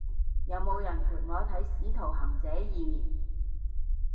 有冇人陪我睇使徒行者二？